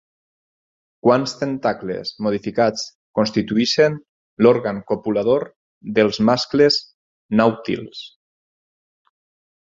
Quants tentacles modificats constitueixen l'òrgan copulador dels mascles nàutils?